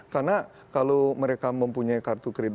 karena kalau mereka mempunyai kartu kredit